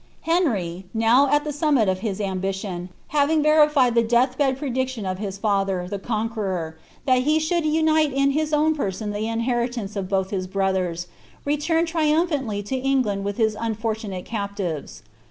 Henry, now at the summit of his ambition, baring verified the death bed prediction of his father, the Conqueror, that he should unite in lii^ own person the inheritance of both his brothers, returned Iriumphanilf lo England witli his unfortunate captives.